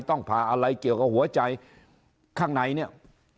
ต้องผ่าอะไรเกี่ยวกับหัวใจข้างในเนี่ย